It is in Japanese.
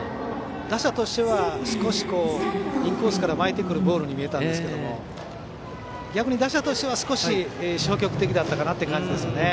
打者としてはインコースから巻いてくるボールに見えたんですけども逆に打者としては少し消極的だったかなという感じですね。